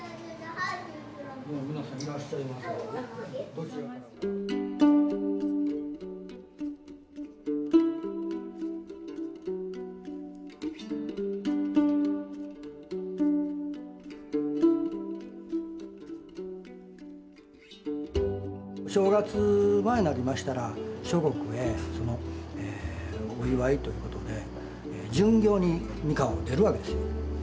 お正月前になりましたら諸国へお祝いということで巡業に三河を出るわけですよ。